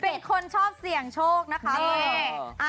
เป็นคนชอบเสี่ยงโชคนะคะ